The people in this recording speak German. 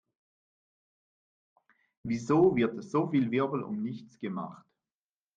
Wieso wird so viel Wirbel um nichts gemacht?